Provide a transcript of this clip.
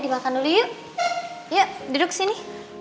makan dulu yuk yuk duduk sini